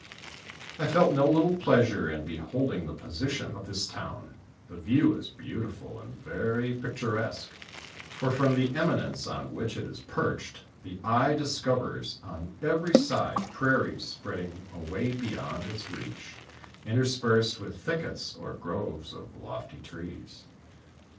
I felt no little pleasure in beholding the position of this town ; the view is beautiful and very picturesque, for from the eminence on which it is perched, the eye discovers on every side prairies spreading away beyond its reach, inter spersed with thickets or groves of lofty trees.